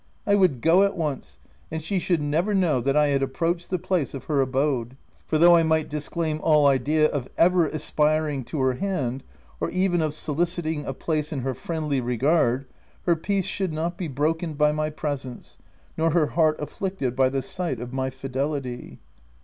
I would go at once, and she should never know that I had approached the place of her abode ; for though I might disclaim all idea of ever aspir ing to her hand, or even of soliciting a place in her friendly regard, her peace should not be broken by my presence, nor her heart afflicted by the sight of my fidelity.